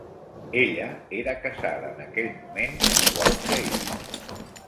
Ella era casada en aquell moment, igual que ell.